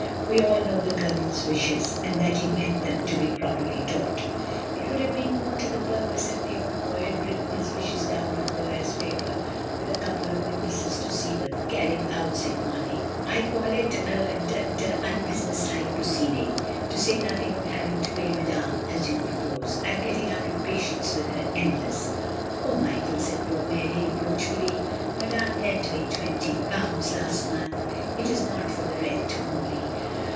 We all know the Colonel's wishes, and that he meant them to be properly taught." "It would have been more to the purpose if the old boy had written his wishes down on lawyer's paper, with a couple of witnesses to see them carried AFTERWARDS. 4 1 out," said Mamey. "I call it a d — d unbusiness like proceeding — to say nothing of having to pay Madame, as you propose. I'm getting out of patience with her endless " "Oh, Michael!" said poor Mary, reproachfully; "Madame lent me 20L last month; it is not for the rent only!"